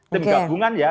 tim gabungan ya